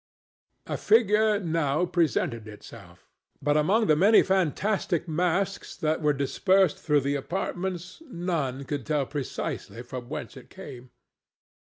A figure now presented itself, but among the many fantastic masks that were dispersed through the apartments none could tell precisely from whence it came.